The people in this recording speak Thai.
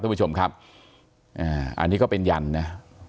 คุณผู้ชมครับอ่าอันนี้ก็เป็นยันนะ